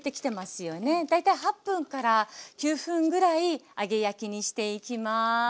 大体８９分ぐらい揚げ焼きにしていきます。